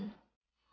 aku mau pergi